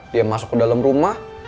dia masuk ke dalam rumah